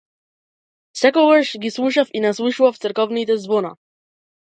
Секогаш ги слушав и наслушував црквените ѕвона.